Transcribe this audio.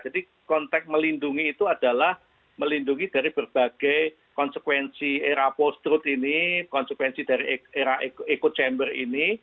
jadi konteks melindungi itu adalah melindungi dari berbagai konsekuensi era post truth ini konsekuensi dari era echo chamber ini